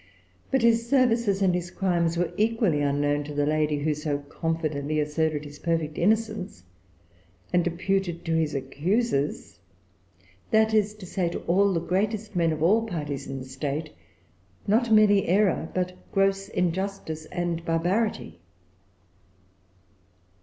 But his services and his crimes were equally unknown to the lady who so confidently asserted his perfect innocence and imputed to his accusers, that is to say, to all the greatest men of all parties in the state, not merely error, but gross injustice and barbarity.